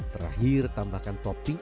terakhir tambahkan topping